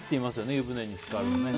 湯船に浸かるとね。